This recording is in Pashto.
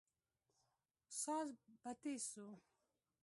ساز به تېز سو.